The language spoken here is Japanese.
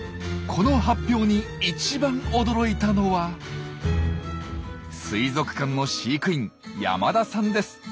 この発表に一番驚いたのは水族館の飼育員山田さんです。